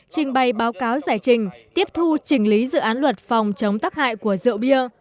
trình bày báo cáo giải trình tiếp thu trình lý dự án luật phòng chống tắc hại của rượu bia